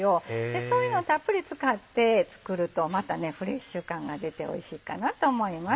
そういうのたっぷり使って作るとまたフレッシュ感が出ておいしいかなと思います。